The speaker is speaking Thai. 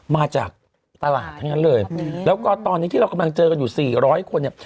มาจากตลาดทั้งนั้นเลยแล้วก็ตอนนี้ที่เรากำลังเจอกันอยู่สี่ร้อยคนเนี่ย